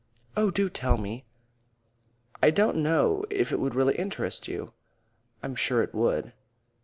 "Oh, do tell me!" "I don't know if it would really interest you." "I'm sure it would."